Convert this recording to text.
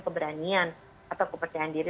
keberanian atau kepercayaan diri